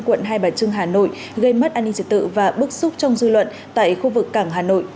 quận hai bà trưng hà nội gây mất an ninh trật tự và bức xúc trong dư luận tại khu vực cảng hà nội